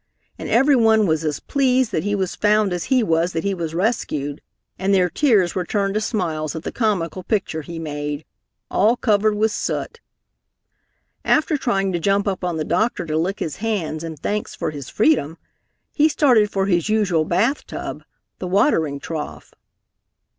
And everyone was as pleased that he was found as he was that he was rescued, and their tears were turned to smiles at the comical picture he made, all covered with soot. After trying to jump up on the doctor to lick his hands in thanks for his freedom, he started for his usual bath tub, the watering trough.